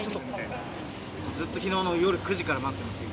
ずっと、きのうの夜９時から待ってますよ。